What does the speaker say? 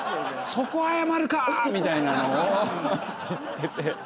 そこ謝るかみたいなのを見つけて。